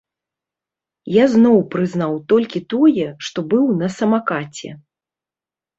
Я зноў прызнаў толькі тое, што быў на самакаце.